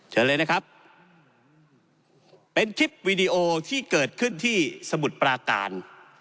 เชิญเลยนะครับเป็นคลิปวีดีโอที่เกิดขึ้นที่สมุทรปราการ